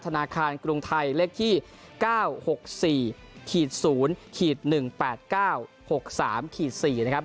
ธนาคารกรุงไทยเลขที่๙๖๔๐๑๘๙๖๓๔นะครับ